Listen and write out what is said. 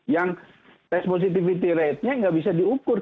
yang tes positivity ratenya nggak bisa diukur